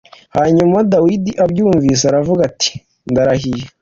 Hanyuma Dawidi abyumvise aravuga ati “ndarahiye”